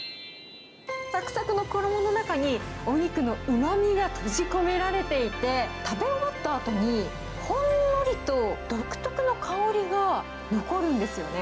さくさくの衣の中にお肉のうまみが閉じ込められていて、食べ終わったあとに、ほんのりと独特の香りが残るんですよね。